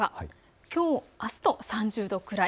きょう、あすと３０度ぐらい。